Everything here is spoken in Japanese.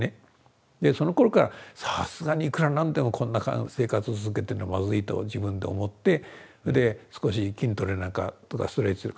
そのころからさすがにいくら何でもこんな生活を続けてるのはまずいと自分で思ってそれで少し筋トレなんかとかストレッチとか始めて。